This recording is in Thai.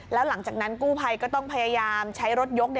แล้วหลังจากนั้นกู้ภัยก็ต้องพยายามใช้รถยก